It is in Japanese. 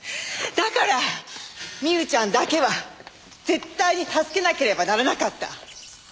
だから未歩ちゃんだけは絶対に助けなければならなかった。